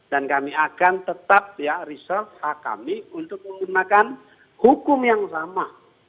dan kami akan tetap ya riset kami untuk menggunakan hukum yang sama